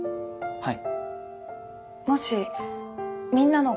はい。